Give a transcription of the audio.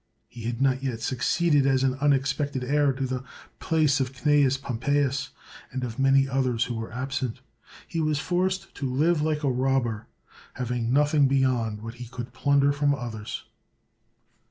He had not yet succeeded as an unex pected heir to the place of Cnaeus Pompeius, and of many others who were absent. He was forced 187 THE WORLD'S FAMOUS ORATIONS to live like a robber, having nothing beyond what he could plunder from others.